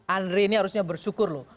andri ini harusnya bersyukur loh